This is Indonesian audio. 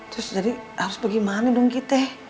terus jadi harus bagaimana dong kita